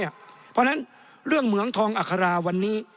เพราะฉะนั้นเรื่องเหมืองทองอัคราวันนี้